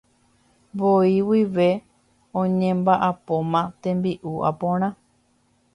voi guive oñemba'apóma tembi'u aporã.